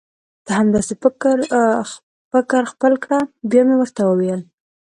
ته هم دا سي فکر خپل کړه بیا مي ورته وویل: